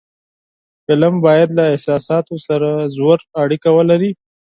فلم باید له احساساتو سره ژور اړیکه ولري